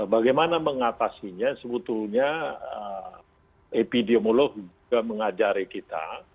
bagaimana mengatasinya sebetulnya epidemiolog juga mengajari kita